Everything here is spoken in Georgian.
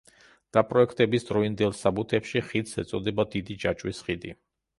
დაპროექტების დროინდელ საბუთებში ხიდს ეწოდება „დიდი ჯაჭვის ხიდი“.